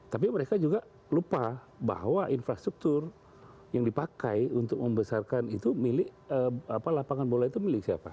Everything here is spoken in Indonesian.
tapi mereka juga lupa bahwa infrastruktur yang dipakai untuk membesarkan itu milik lapangan bola itu milik siapa